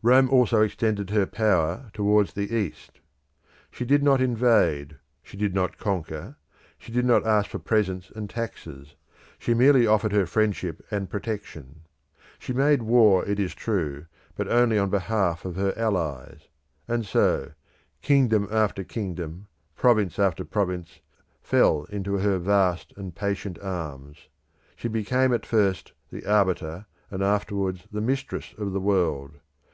Rome also extended her power towards the East. She did not invade, she did not conquer, she did not ask for presents and taxes, she merely offered her friendship and protection. She made war, it is true, but only on behalf of her allies. And so kingdom after kingdom, province after province, fell into her vast and patient arms. She became at first the arbiter and afterwards the mistress of the world.